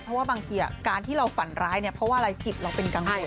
เพราะว่าบางทีการที่เราฝันร้ายเนี่ยเพราะว่าอะไรจิตเราเป็นกังวล